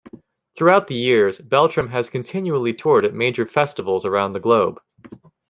Throughout the years, Beltram has continually toured at major festivals around the globe.